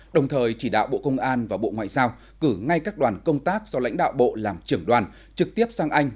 đồng thời chỉ đạo bộ công an và bộ ngoại giao cử ngay các đoàn công tác do lãnh đạo bộ làm trưởng đoàn trực tiếp sang anh